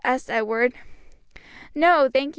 asked Edward. "No, thank you.